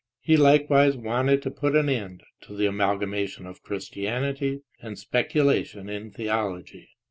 He likewise wanted to put an end to the amalgamation of Christianity and speculation in theology.